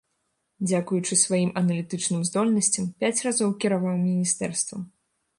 Дзякуючы сваім аналітычным здольнасцям пяць разоў кіраваў міністэрствам.